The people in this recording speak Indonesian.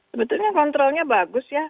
sebetulnya controlnya bagus ya